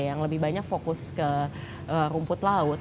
yang lebih banyak fokus ke rumput laut